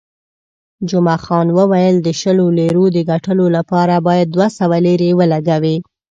جمعه خان وویل، د شلو لیرو د ګټلو لپاره باید دوه سوه لیرې ولګوې.